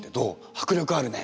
迫力あるね。